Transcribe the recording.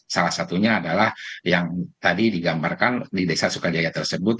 salah satunya adalah yang tadi digambarkan di desa sukajaya tersebut